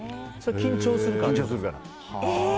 緊張するから。